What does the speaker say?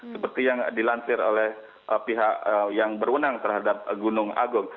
seperti yang dilansir oleh pihak yang berwenang terhadap gunung agung